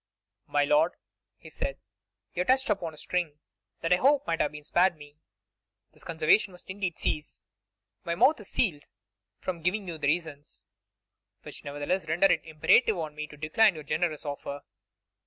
'My lord,' he said, 'you have touched upon a string that I had hoped might have been spared me. This conversation must, indeed, cease. My mouth is sealed from giving you the reasons, which nevertheless render it imperative on me to decline your generous offer.